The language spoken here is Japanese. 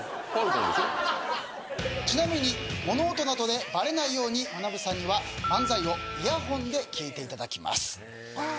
ちなみに物音などでバレないようにまなぶさんには漫才をイヤホンで聞いていただきます。